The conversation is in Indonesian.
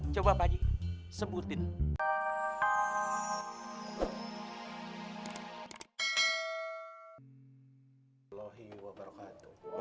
coba pak jibuhidin sebutin